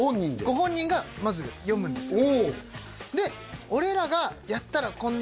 ご本人がまず読むんですよ